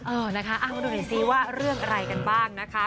เออนะคะมาดูหน่อยซิว่าเรื่องอะไรกันบ้างนะคะ